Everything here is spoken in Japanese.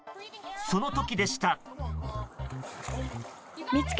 その時でした。